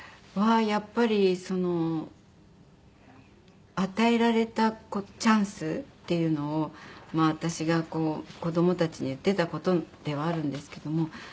やっぱりその与えられたチャンスっていうのを私が子どもたちに言ってた事ではあるんですけども。